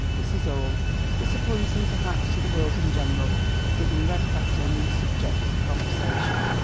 This is all — disappointing perhaps to the world in general, but giving Redcastle a new subject for conversation.